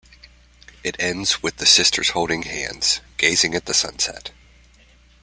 It ends with the sisters holding hands, gazing at the sunset.